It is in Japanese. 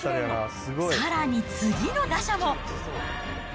さらに次の打者も。